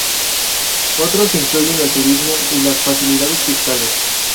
Otros incluyen el turismo y las facilidades fiscales.